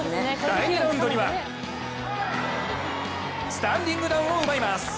第２ラウンドには、スタンディングダウンを奪います。